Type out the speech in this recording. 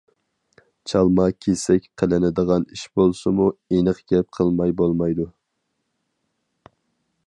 چالما كېسەك قىلىنىدىغان ئىش بولسىمۇ، ئېنىق گەپ قىلماي بولمايدۇ.